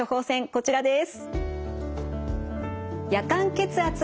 こちらです。